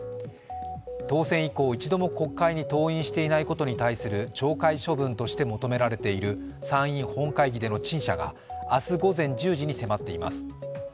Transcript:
当選以降、１度も国会に登院していないことに対する懲戒処分として求められている参院本会議での陳謝が明日午前１０時に迫っています。